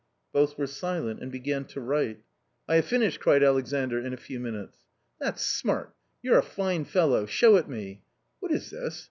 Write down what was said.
Both were silent and began to write. " I have finished !" cried Alexandr in a few minutes. " That's smart, you're a fine fellow ! Show it me. What is this